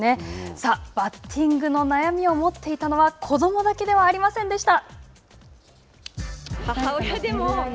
さあ、バッティングの悩みを持っていたのは、子どもだけではありませんでした。